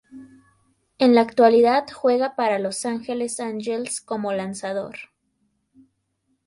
En la actualidad juega para Los Angeles Angels como lanzador.